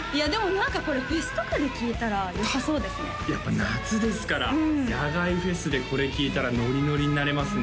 何かこれフェスとかで聴いたらよさそうですねやっぱ夏ですから野外フェスでこれ聴いたらノリノリになれますね